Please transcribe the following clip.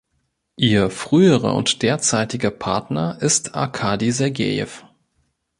Ihr früherer und derzeitiger Partner ist Arkadi Sergejew.